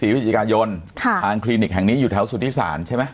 ๒๔วิจิกายนคลีนิกแห่งนี้อยู่แถวสุทธิศาลใช่ไหม